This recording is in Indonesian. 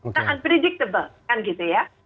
itu tidak tergantung kan gitu ya